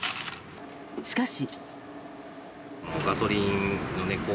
しかし。